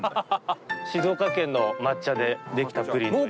静岡県の抹茶で出来たプリンという。